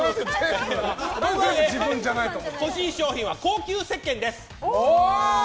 僕が欲しい商品は高級せっけんです。